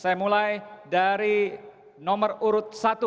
saya mulai dari nomor urut satu